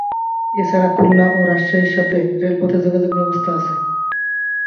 এছাড়া খুলনা ও রাজশাহীর সাথে রেলপথে যোগাযোগ ব্যবস্থা আছে।